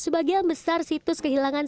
sebagian besar situs kehilangan